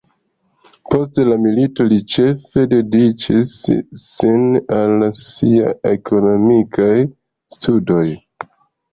Post la milito, li ĉefe dediĉis sin al siaj ekonomikaj studoj.